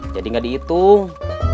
jadi gak diitung